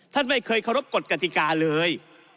ท่านไม่เคยขอรับกฎกฎิกาเลย